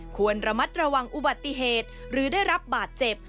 ควรระมัดระวังอุบัติเหตุหรือได้รับบาดเจ็บ